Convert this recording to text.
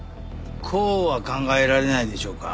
こうは考えられないでしょうか？